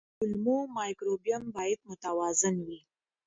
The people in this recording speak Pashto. کولمو مایکروبیوم باید متوازن وي.